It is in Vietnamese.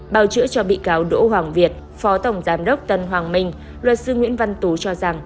bào chữa cho bị cáo đỗ hoàng việt phó tổng giám đốc tân hoàng minh luật sư nguyễn văn tú cho rằng